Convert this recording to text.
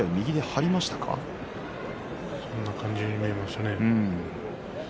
そんな感じに見えましたね。